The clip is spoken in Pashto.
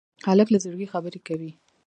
هلک له زړګي خبرې کوي.